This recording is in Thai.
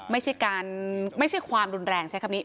ไม่ใช่การไม่ใช่ความรุนแรงใช้คำนี้